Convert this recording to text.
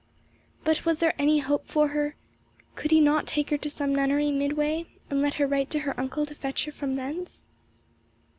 But was there any hope for her? Could he not take her to some nunnery midway, and let her write to her uncle to fetch her from thence?